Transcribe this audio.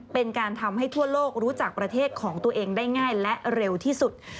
เป็นการทำให้ทั่วโลกรู้จักประเทศของตัวเองได้ง่ายและเร็วที่สุด